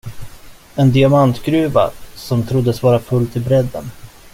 En diamantgruva, som troddes vara full till brädden.